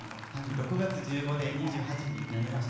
６月１５で２８になりました。